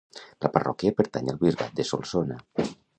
La parròquia pertany al Bisbat de Solsona.